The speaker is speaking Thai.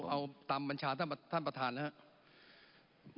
เอาตามบัญชาท่านประธานนะครับ